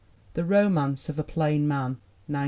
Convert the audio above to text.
The Romance of a Plain Man, 1909.